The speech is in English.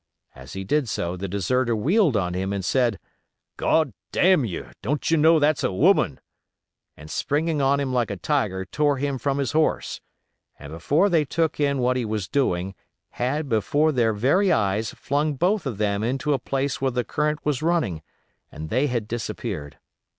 As he did so the deserter wheeled on him, and said, "God d—n you—don't you know that's a woman," and springing on him like a tiger tore him from his horse; and, before they took in what he was doing, had, before their very eyes, flung both of them into a place where the current was running, and they had disappeared.